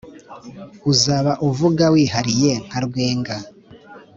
uzaba uvuga wihariye nka rwenga.